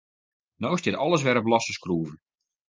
No stiet alles wer op losse skroeven.